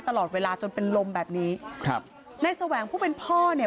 พระเจ้าที่อยู่ในเมืองของพระเจ้า